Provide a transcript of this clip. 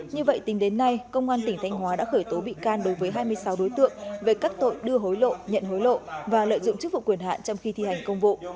như vậy tính đến nay công an tỉnh thanh hóa đã khởi tố bị can đối với hai mươi sáu đối tượng về các tội đưa hối lộ nhận hối lộ và lợi dụng chức vụ quyền hạn trong khi thi hành công vụ